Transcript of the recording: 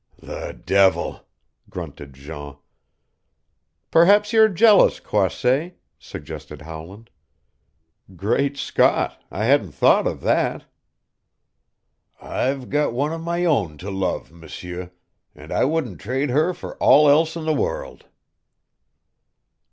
"The devil!" grunted Jean. "Perhaps you're jealous, Croisset," suggested Howland. "Great Scott, I hadn't thought of that!" "I've got one of my own to love, M'seur; and I wouldn't trade her for all else in the world."